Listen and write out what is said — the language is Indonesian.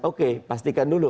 oke pastikan dulu